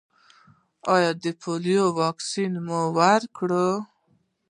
ایا د پولیو واکسین مو ورکړی؟